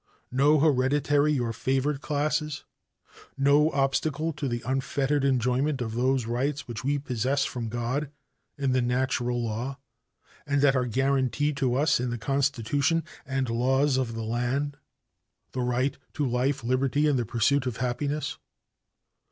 No hereditary or favored classes. No obstacle to the unfettered enjoyment of those rights which we possess from God in the natural law, and that are guaranteed to us in the Constitution and laws of the land the right to life, liberty and the pursuit of happiness.